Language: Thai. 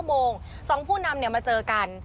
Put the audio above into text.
โมง๒ผู้นำมาเจอกัน